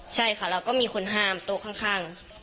ใช่ค่ะแล้วก็มีคนห้ามโต๊ะข้าง